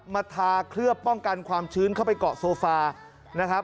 มาทาเคลือบป้องกันความชื้นเข้าไปเกาะโซฟา